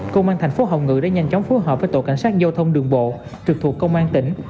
công an thành phố hồng ngự đã nhanh chóng phối hợp với tổ cảnh sát giao thông đường bộ trực thuộc công an tỉnh